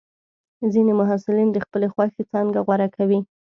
ځینې محصلین د خپلې خوښې څانګه غوره کوي.